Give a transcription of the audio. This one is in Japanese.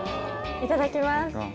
いただきます。